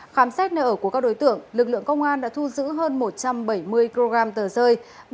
khám xét nơi ở của các đối tượng lực lượng công an đã thu giữ hơn một trăm bảy mươi kg tờ rơi